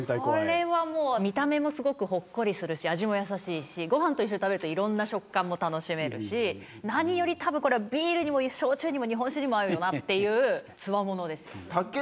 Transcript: これはもう見た目もすごくほっこりするし味も優しいしご飯と一緒に食べると色んな食感も楽しめるし何より多分これはビールにも焼酎にも日本酒にも合うよなっていう強者ですよ。